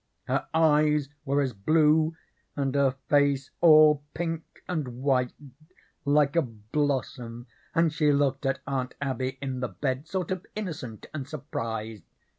Her eyes were as blue and her face all pink and white like a blossom, and she looked at Aunt Abby in the bed sort of innocent and surprised.